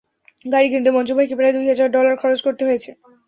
গাড়ি কিনতে মঞ্জু ভাইকে প্রায় দুই হাজার ডলার খরচ করতে হয়েছে।